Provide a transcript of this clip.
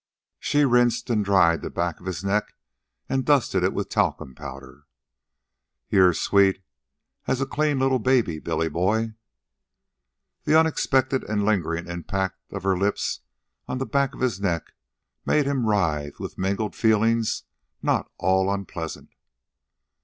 She rinsed and dried the back of his neck and dusted it with talcum powder. "You're as sweet as a clean little baby, Billy Boy." The unexpected and lingering impact of her lips on the back of his neck made him writhe with mingled feelings not all unpleasant.